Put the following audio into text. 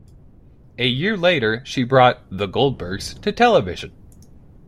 A year later, she brought "The Goldbergs" to television.